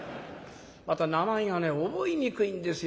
また名前がね覚えにくいんですよ。